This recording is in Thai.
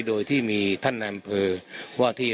โดยที่มีท่านนายอำเภอว่าที่